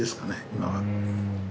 今は。